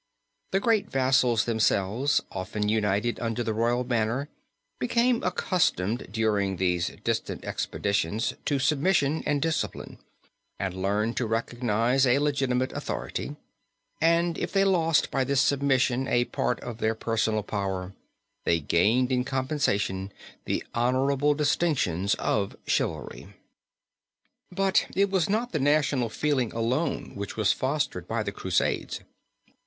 The great vassals, themselves, often united under the royal banner, became accustomed during these distant expeditions to submission and discipline, and learned to recognize a legitimate authority; and if they lost by this submission a part of their personal power, they gained in compensation the honorable distinctions of chivalry. "But it was not the national feeling alone which was fostered by the Crusades.